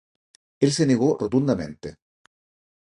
Él se negó rotundamente.